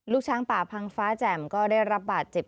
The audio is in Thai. ช้างป่าพังฟ้าแจ่มก็ได้รับบาดเจ็บ